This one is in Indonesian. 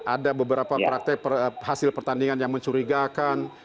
ada beberapa praktek hasil pertandingan yang mencurigakan